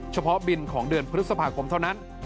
บินของเดือนพฤษภาคมเท่านั้น